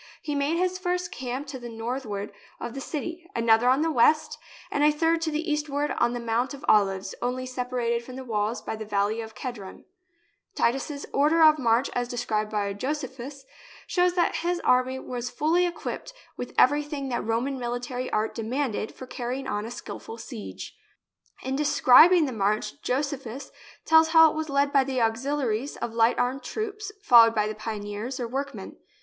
He made his first camp to the north ward of the city, another on the west, and a third to the eastward on the Mount of Olives, only sepa rated from the walls by the Valley of Kedron. JERUSALEM Titus's order of march as described by Josephus, shows that his army was fully equipped with every thing that Roman military art demanded for car rying on a skilful siege. In describing the march Josephus tells how it was led by the auxiliaries of light armed troops, followed by the pioneers, or workmen.